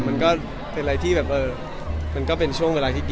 มันก็เป็นอะไรที่แบบเออมันก็เป็นช่วงเวลาที่